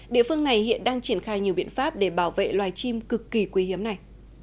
địa phương này hiện đang triển khai nhiều biện pháp để bảo vệ loài chim cực kỳ quý hiếm này